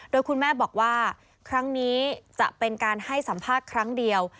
โดยคุณแม่บอกว่าครั้งนี้จะเป็นการให้สัมภาษณ์ครั้งเดียว